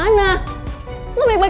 kita bertiga tuh cemas sama kondisi putri